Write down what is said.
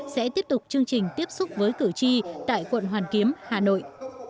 sẽ tiếp tục chương trình tiếp xúc với cử tri tại quận hoàn kiếm hà nội